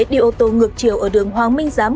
đi ô tô ngược chiều ở đường hoàng minh giám